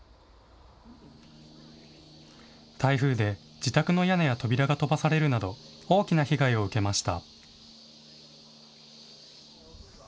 台風で自宅の屋根や扉が飛ばされるなど大きな被害を受けました。